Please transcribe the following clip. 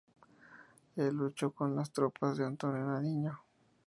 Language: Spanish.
Él luchó con las tropas de Antonio Nariño.